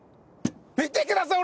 見てください！